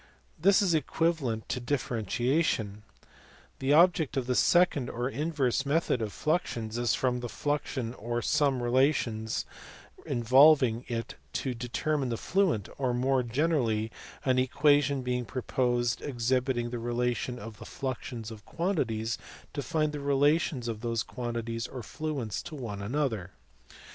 ^ This is equivalent to differentiation. The object of the second or inverse method of fluxions is from the fluxion or some relations involving it to determine the fluent, or more generally " an equation being proposed exhibiting the relation of the fluxions of quantities, to find the relations of those quan tities, or fluents, to one another*.